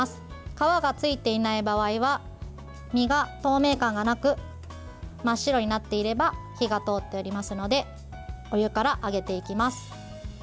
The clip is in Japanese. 皮がついていない場合は身が透明感がなく真っ白になっていれば火が通っておりますのでお湯から上げていきます。